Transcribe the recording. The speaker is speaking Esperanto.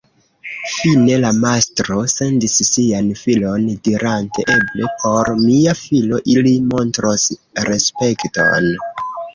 Fine la mastro sendis sian filon dirante: ‘Eble por mia filo ili montros respekton’.